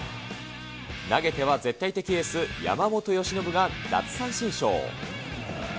投げては絶対的エース、山本由伸が奪三振ショー。